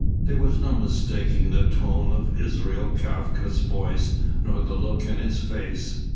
There was no mistaking the tone of Israel Kafka's voice nor the look in his face.